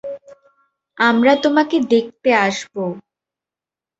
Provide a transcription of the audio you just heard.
আমরা তোমাকে দেখতে আসবো।